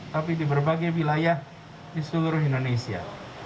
tapi di berbagai wilayah di seluruh indonesia